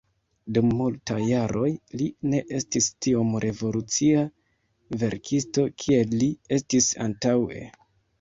Dum multaj jaroj li ne estis tiom revolucia verkisto kiel li estis antaŭe.